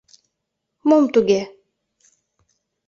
Мом туге?..